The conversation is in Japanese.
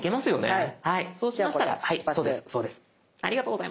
はい。